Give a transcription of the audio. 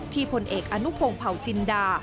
ที่ผลเอกอนุโพงเผาจินดา